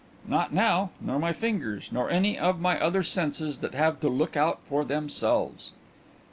"Not now. Nor my fingers. Nor any of my other senses that have to look out for themselves."